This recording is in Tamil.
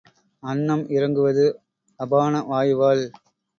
அன்னம் இறங்குவது அபான வாயுவால்.